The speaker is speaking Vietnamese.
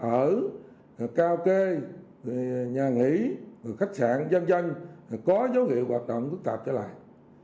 ở cao kê nhà nghỉ khách sạn dân doanh có dấu hiệu hoạt động tức tạp trở lại